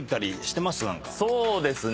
そうですね。